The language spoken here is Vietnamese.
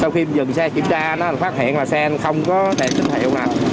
khi mình dừng xe kiểm tra anh á mình phát hiện là xe anh không có đèn tích hiệu nè